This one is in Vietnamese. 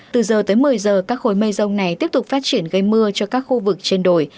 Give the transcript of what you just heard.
từ giờ tới một mươi giờ các khối mây rông này tiếp tục phát triển gây mưa cho các khu vực trên đồi